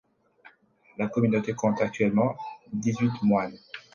La communauté compte actuellement dix-huit moines.